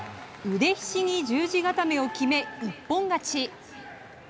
腕ひしぎ十字固めを決め一本勝ち。